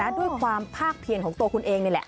ด้วยความภาคเพียรของตัวคุณเองนี่แหละ